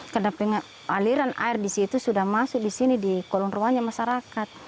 karena aliran air disitu sudah masuk disini di kolong ruangnya masyarakat